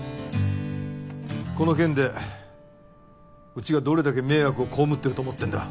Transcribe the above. この件でうちがどれだけ迷惑を被ってると思ってんだ